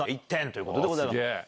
１点ということです。